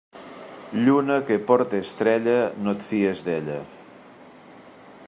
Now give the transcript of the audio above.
Lluna que porte estrella, no et fies d'ella.